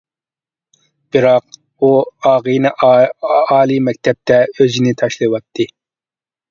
بىراق ئۇ ئاغىنە ئالىي مەكتەپتە ئۆزىنى تاشلىۋەتتى.